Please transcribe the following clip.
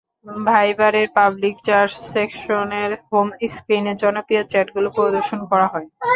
ভাইবারের public chats সেকশনের home স্ক্রিনে জনপ্রিয় চ্যাটগুলো প্রদর্শন করা হয়।